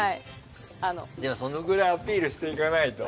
そのぐらいアピールしていかないと。